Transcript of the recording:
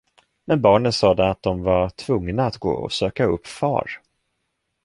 Men barnen sade att de var tvungna att gå och söka upp far.